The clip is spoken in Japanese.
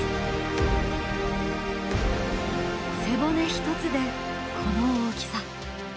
背骨一つでこの大きさ。